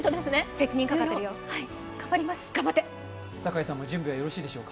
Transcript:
責任かかってるよ、頑張って。